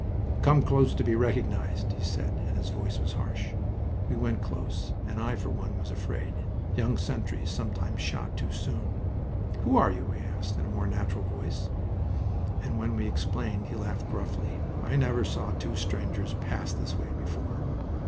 "Come close to be recognized!" he said, and his voice was harsh. We went close, and I for one was afraid. Young sentries sometimes shot too soon. "Who are you?" he asked, in a more natural voice, and when we explained he laughed gruffly. "I never saw two strangers pass this way before!"